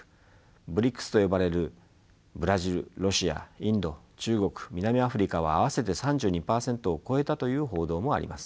ＢＲＩＣＳと呼ばれるブラジルロシアインド中国南アフリカは合わせて３２％を超えたという報道もあります。